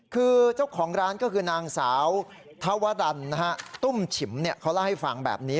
คือเจ้าของร้านก็คือนางสาวธวรรณตุ้มฉิมเขาเล่าให้ฟังแบบนี้